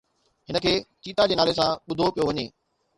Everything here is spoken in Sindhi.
هن کي چيتا جي نالي سان ٻڌو پيو وڃي